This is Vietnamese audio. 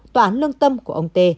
tòa án lương tâm của ông tê